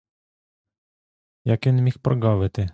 Як він міг проґавити?